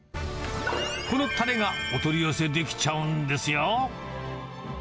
このたれがお取り寄せできちゃうんですよ。